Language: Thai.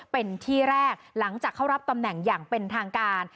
เป็นที่แรกหลังจากเข้ารับตำแหน่งอย่างเป็นทางการ